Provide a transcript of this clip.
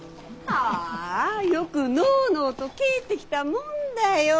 はぁよくのうのうと帰ってきたもんだよ。